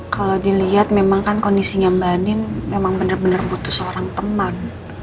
kalo diliat memang kan kondisinya mba nin memang bener bener butuh seorang teman